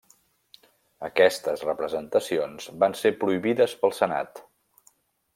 Aquestes representacions van ser prohibides pel Senat.